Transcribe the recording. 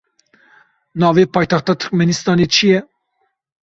Navê paytexta Tirkmenistanê çi ye?